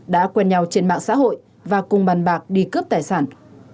đã quen nhau trên mạng xã hội và cùng bàn bạc đi cướp tài sản